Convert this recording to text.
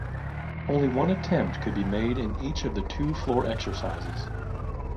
Only one attempt could be made in each of the two floor exercises.